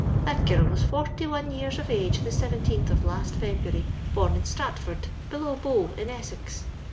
That girl was fbrty one year of age the seventeenth of last February, bom in Stratford, below Bow, in Essex.